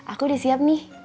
aku udah siap nih